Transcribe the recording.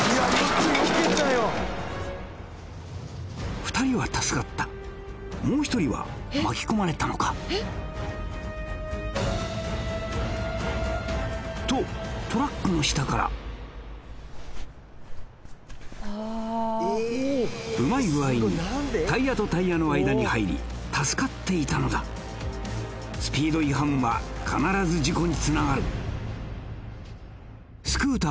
２人は助かったもう１人は巻き込まれたのか？とトラックの下からうまい具合にタイヤとタイヤの間に入り助かっていたのだスピード違反は必ず事故につながるスクーター